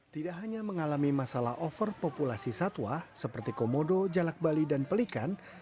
tidak hanya mengalami masalah overpopulasi satwa seperti komodo jalak bali dan pelikan